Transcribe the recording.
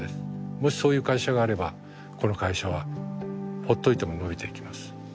もしそういう会社があればこの会社はほっといても伸びていきます。